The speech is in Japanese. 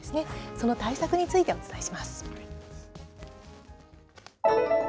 その対策についてお伝えします。